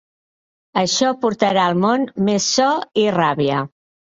Això portarà al món més so i ràbia.